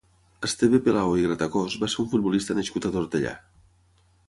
Esteve Pelaó i Gratacós va ser un futbolista nascut a Tortellà.